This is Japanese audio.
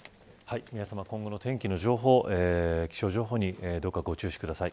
皆さま、今後の天気の情報気象情報にどうかご注視ください。